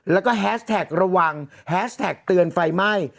แล้วก็แฮสแท็กระวังแฮสแท็กเตือนไฟไหม้